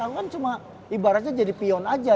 aku kan cuma ibaratnya jadi pion aja